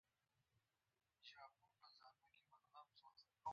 زه تل متقابل احترام لرم.